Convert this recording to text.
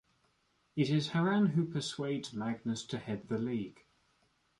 It is Harran who persuades Magnus to head the League.